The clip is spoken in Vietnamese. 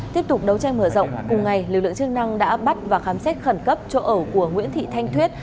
tiếp tục đấu tranh mở rộng cùng ngày lực lượng chức năng đã bắt và khám xét khẩn cấp chỗ ở của nguyễn thị thanh thuyết